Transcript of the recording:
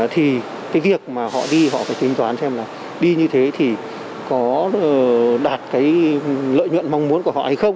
thì cái việc mà họ đi họ phải tính toán xem là đi như thế thì có đạt cái lợi nhuận mong muốn của họ hay không